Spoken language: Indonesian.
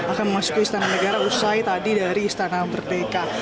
akan masuk ke istana negara usai tadi dari istana berdeka